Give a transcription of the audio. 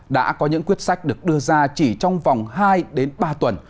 đã có những quyết sách được đưa ra chỉ trong vòng hai đến ba tuần